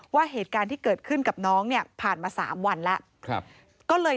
ว่าเหตุการณ์ที่เกิดขึ้นกับน้องเนี่ยผ่านมา๓วันแล้วก็เลย